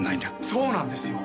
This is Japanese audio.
そうなんですよ。